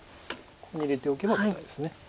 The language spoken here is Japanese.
ここに入れておけば無難です。